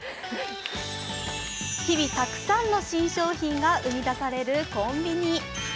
日々たくさんの新商品が生み出されるコンビニ。